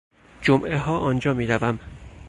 جمعهها آنجا می روم.